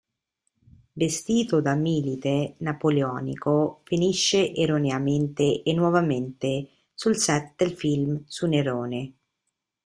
Vestito da milite napoleonico, finisce erroneamente e nuovamente sul set del film su Nerone.